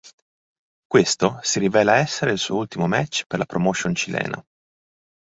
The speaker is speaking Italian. Questo si rivela essere il suo ultimo match per la promotion cilena.